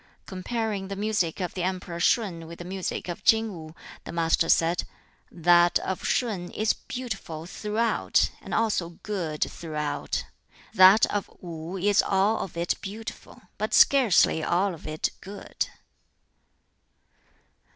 Comparing the music of the emperor Shun with the music of King Wu, the Master said, "That of Shun is beautiful throughout, and also good throughout. That of Wu is all of it beautiful, but scarcely all of it good."